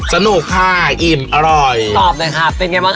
หนูชอบคนน่ารักแบบเกง